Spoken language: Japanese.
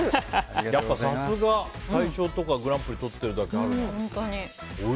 やっぱ、さすが大賞とかグランプリをとってるだけあるな。